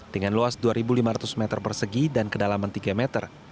dengan luas dua lima ratus meter persegi dan kedalaman tiga meter